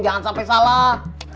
jangan sampai salah